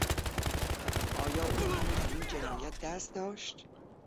آیا او هم در این جنایت دست داشت؟